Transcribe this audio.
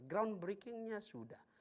ground breakingnya sudah